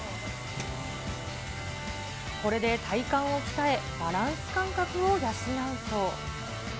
これで体幹を鍛え、バランス感覚を養うそう。